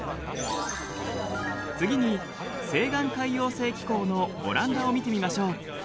次に西岸海洋性気候のオランダを見てみましょう。